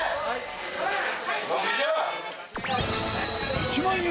１万円！